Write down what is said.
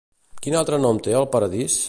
Quin altre nom té el paradís?